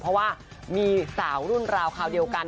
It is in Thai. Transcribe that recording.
เพราะว่ามีสาวรุ่นราวคราวเดียวกัน